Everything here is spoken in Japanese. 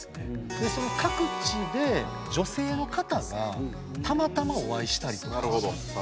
その各地で女性の方がたまたまお会いしたりとか。